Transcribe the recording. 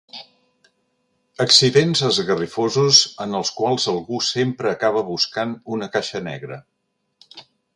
Accidents esgarrifosos en els quals algú sempre acaba buscant una caixa negra.